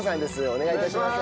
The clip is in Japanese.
お願い致します。